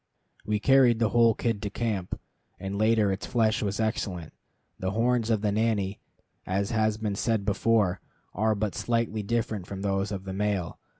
We carried the whole kid to camp, and later its flesh was excellent. The horns of the nanny, as has been said before, are but slightly different from those of the male.